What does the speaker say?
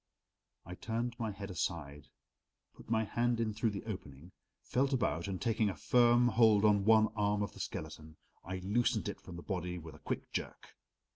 I turned my head aside, put my hand in through the opening, felt about, and taking a firm hold on one arm of the skeleton, I loosened it from the body with a quick jerk.